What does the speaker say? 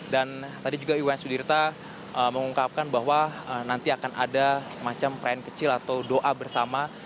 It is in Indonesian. dan tadi juga iwaya sudirta mengungkapkan bahwa nanti akan ada semacam peran kecil atau doa bersama